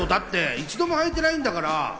一度もはいてないんだから。